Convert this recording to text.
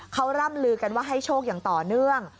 เขาร่ำลือกันว่าให้โชคอย่างต่อเนื่อง